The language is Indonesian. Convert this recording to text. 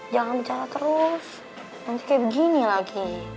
jangan bicara terus kayak begini lagi